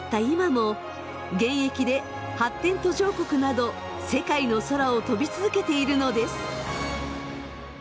今も現役で発展途上国など世界の空を飛び続けているのです。